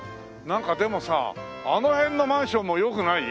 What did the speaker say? なんかでもさあの辺のマンションも良くない？